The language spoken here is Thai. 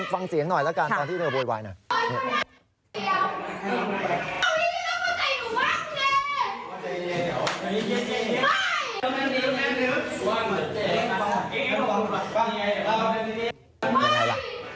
ฟังเสียงหน่อยแล้วกันตอนที่เธอโวยวายหน่อย